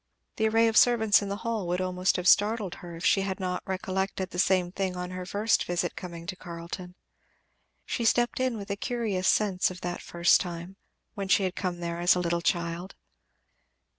The array of servants in the hall would almost have startled her if she had not recollected the same thing on her first coming to Carleton. She stepped in with a curious sense of that first time, when she had come there a little child.